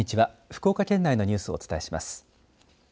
福岡県内のニュースをお伝えします。